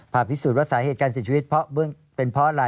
พิสูจนว่าสาเหตุการเสียชีวิตเพราะเป็นเพราะอะไร